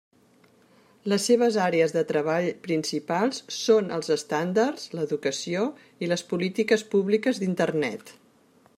Les seves àrees de treball principals són els estàndards, l'educació i les polítiques públiques d'Internet.